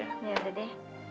ya udah deh